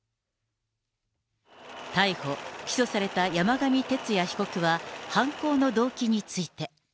逮捕・起訴された山上徹也被告は、犯行の動機について。